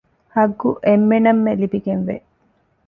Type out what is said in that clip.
ޙައްޤު އެންމެނަށްމެ ލިބިގެންވޭ